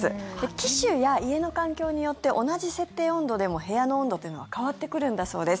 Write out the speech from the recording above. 機種や家の環境によって同じ設定温度でも部屋の温度というのは変わってくるんだそうです。